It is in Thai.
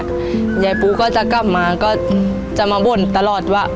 ยายปูก็จะกลับมาก็จะมาบ่นตลอดว่า